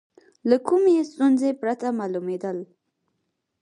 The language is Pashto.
له کومې ستونزې پرته معلومېدل.